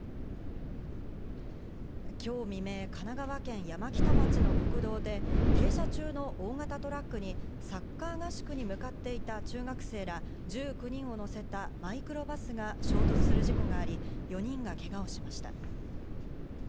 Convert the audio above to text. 今日未明、神奈川県山北町の国道で停車中の大型トラックにサッカー合宿に向かっていた中学生ら１９人を乗せたマイクロバスが衝突する事故があり、４人がけがをしました。